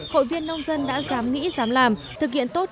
hội viên nông dân đã dám nghĩ dám làm thực hiện tốt